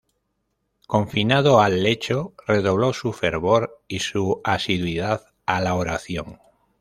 Confinado al lecho, redobló su fervor y su asiduidad a la oración.